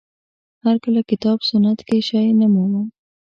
هر کله کتاب سنت کې شی نه مومم